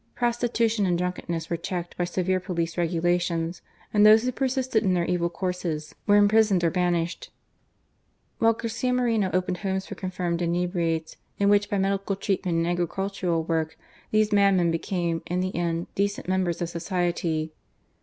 Prostitution and drunkenness were checked by severe police regula tions, and those who persisted in their evil courses were imprisoned or banished ; while Garcia Moreno opened homes for confirmed inebriates, in which, by medical treatment and agricultural work, those madmen became, in the end, decent members of society.